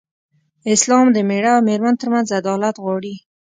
اسلام د مېړه او مېرمن تر منځ عدالت غواړي.